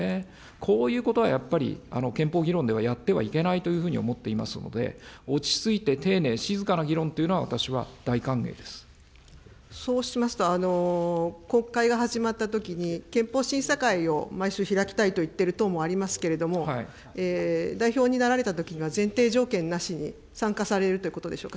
こういうことはやっぱり、憲法議論ではやってはいけないというふうに思っていますので、落ち着いて丁寧、静かな議論というのは、そうしますと、国会が始まったときに、憲法審査会を毎週開きたいと言っている党もありますけれども、代表になられたときには、前提条件なしに参加されるということでしょうか。